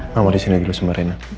mama disini dulu sama rena